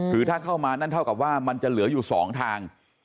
คือถ้าเข้ามานั่นเท่ากับว่ามันจะเหลืออยู่๒ทาง